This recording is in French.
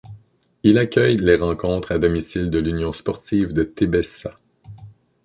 Il accueille les rencontres à domicile de l’Union sportive de Tébessa.